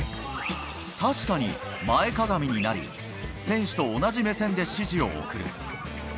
確かに、前かがみになり、選手と同じ目線で指示を送る。